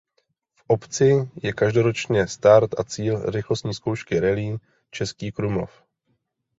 V obci je každoročně start a cíl rychlostní zkoušky Rallye Český Krumlov.